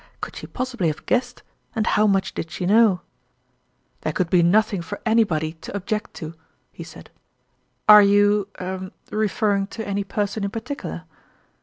Could she possibly have guessed, and how much did she know ?" There could be nothing for anybody to ob 86 tourmalin's ime (Eljeques. ject to," he said. " Are you er referring to any person in particular